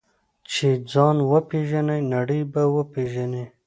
چې ځان وپېژنې، نړۍ به وپېژنې.